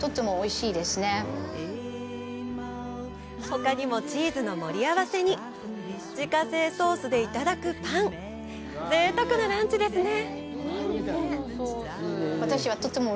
ほかにもチーズの盛り合わせに自家製ソースでいただくパンぜいたくなランチですね！